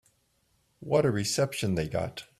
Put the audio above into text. What a reception they got.